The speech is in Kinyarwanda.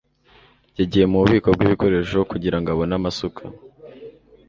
Yagiye mububiko bwibikoresho kugirango abone amasuka.